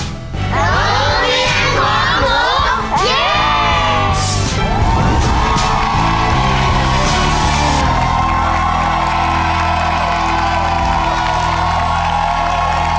เอาเรียนของหนู